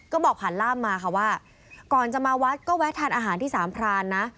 ก็บอกผ่านล่ามมาค่ะว่าก่อนจะมาวัดก็แวะทานอาหารที่สามพรานนะ